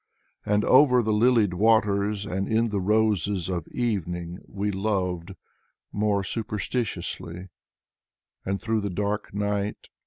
And over the lilied waters and in the roses of evening, We loved, more superstitiously. And through the dark night.